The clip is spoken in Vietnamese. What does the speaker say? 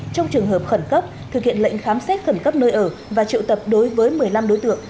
trong trường hợp khẩn cấp thực hiện lệnh khám xét khẩn cấp nơi ở và triệu tập đối với một mươi năm đối tượng